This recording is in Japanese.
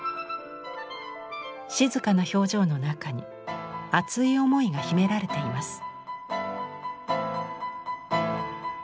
静かな表情の中に熱い思いが秘められています。